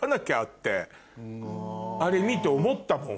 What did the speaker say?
あれ見て思ったもん